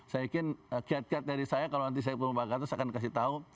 saya yakin kiat kiat dari saya kalau nanti saya kumpul pak gatos akan kasih tahu